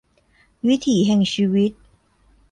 วิถีแห่งชีวิต